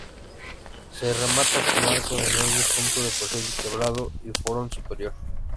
Se remata con arco de medio punto de perfil quebrado y florón superior.